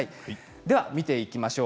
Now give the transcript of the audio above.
では見ていきましょう。